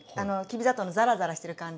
きび砂糖のザラザラしてる感じ。